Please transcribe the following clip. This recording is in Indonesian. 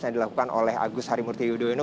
yang dilakukan oleh agus harimurti yudhoyono